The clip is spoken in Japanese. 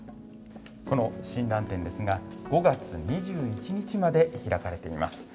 この親鸞展ですが５月２１日まで開かれています。